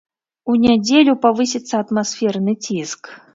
У нядзелю павысіцца атмасферны ціск.